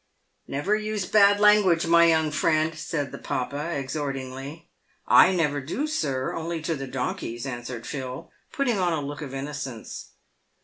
" Never use bad language, my young friend," said the papa, ex hort ingly. " 1 never do, sir, only to the donkeys," answered Phil, putting on a look of innocence.